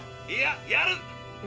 いややる！